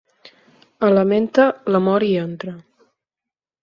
A la menta, l'amor hi entra.